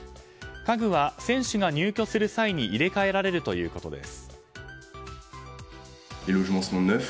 家具は選手が入居する際に入れ替えられるということです。